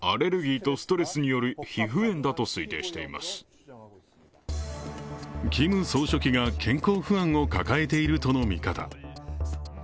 更にはキム総書記が健康不安を抱えているとの見方。